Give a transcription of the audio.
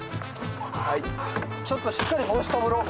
ちょっとしっかり帽子かぶろう